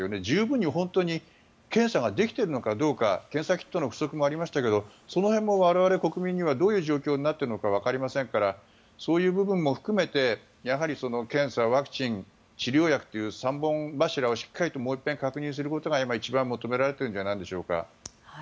十分に検査ができているのかどうか検査キットの不足もありましたけどその辺も我々国民にはどういう状況になっているのかわかりませんからそういう部分も含めて検査、ワクチン、治療薬という３本柱をしっかりともう一回確認することが今、一番求められているんじゃないでしょうか。